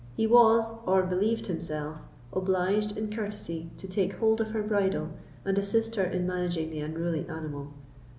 He was, or believed himself, obliged in courtesy to take hold of her bridle, and assist her in managing the unruly animal.